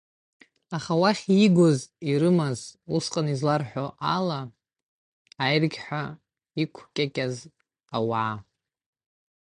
Аха уахь иигоз ирымаз, усҟан изларҳәо ала, аиргьҳәа иқәкьакьаз ауаа?